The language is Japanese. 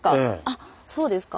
あっそうですか。